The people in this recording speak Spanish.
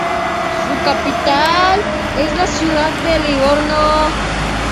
Su capital es la ciudad de Livorno.